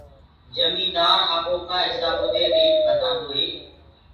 جميندآر آپوڪآ هسآبو دي ريٽ ٻتآندو هي